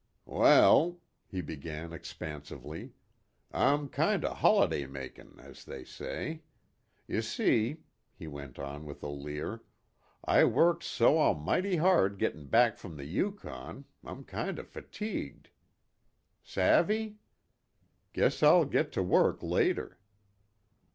"Wal," he began expansively, "I'm kind o' holiday makin', as they say. Y' see," he went on with a leer, "I worked so a'mighty hard gittin' back from the Yukon, I'm kind o' fatigued. Savee? Guess I'll git to work later.